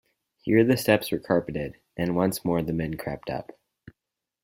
Here the steps were carpeted, and once more the men crept up.